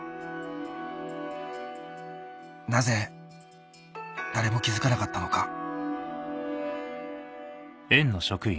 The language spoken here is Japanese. なぜ誰も気付かなかったのか